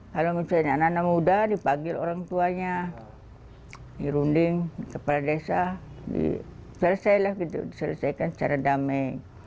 kalau misalnya anak anak muda dipanggil orang tuanya dirunding kepala desa diselesaikan secara damai